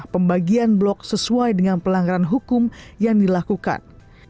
pembagian blok sesuai dengan pelanggaran hukum yang dilakukan